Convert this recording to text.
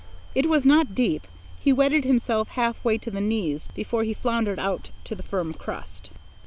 It was not deep. He wetted himself half way to the knees before he floundered out to the firm crust.